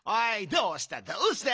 どうしたどうした？